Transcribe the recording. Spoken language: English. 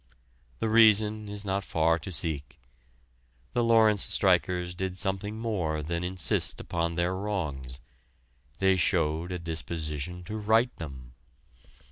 The reason is not far to seek. The Lawrence strikers did something more than insist upon their wrongs; they showed a disposition to right them.